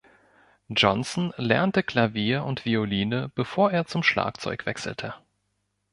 Johnson lernte Klavier und Violine bevor er zum Schlagzeug wechselte.